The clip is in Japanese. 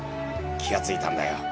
気がついたんだよ。